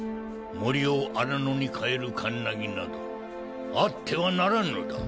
森を荒野に変えるカンナギなどあってはならんのだ。